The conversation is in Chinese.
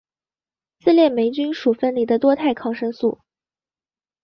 自链霉菌属分离的多肽抗生素。